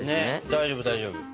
大丈夫大丈夫。